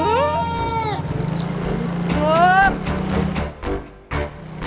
ini boleh mending kasih